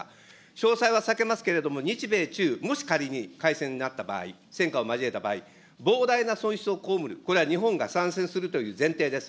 詳細は避けますけれども、日米中、もし仮に開戦になった場合、戦火を交えた場合、膨大な損失を被る、これは日本が参戦するという前提です。